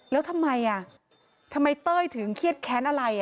แล้วทำไมทำไมเต้ยถึงเครียดแค้นอะไร